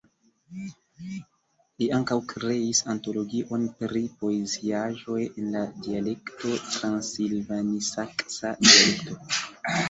Li ankaŭ kreis antologion pri poeziaĵoj en la dialekto transilvanisaksa dialekto.